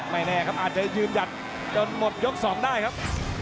ไม่แน่ครับอาจจะยืนหยัดจนหมดยก๒ได้ครับ